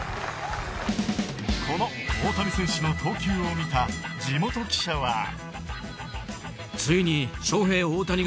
この大谷選手の投球を見た地元記者は。